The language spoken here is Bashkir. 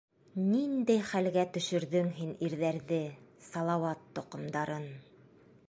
Ниндәй хәлгә төшөрҙөң һин ирҙәрҙе, Салауат тоҡомдарын...